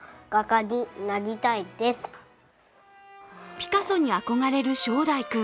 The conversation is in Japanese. ピカソに憧れる正乃君。